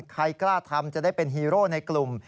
ใครกล้าทำจะได้เป็นฮีโร่ในกลุ่ม